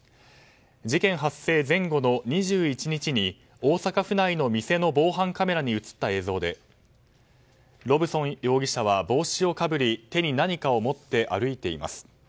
事件発生前後の２１日に大阪府内の店の防犯カメラに映った映像でロブソン容疑者は帽子をかぶり手に何かを持って歩いています。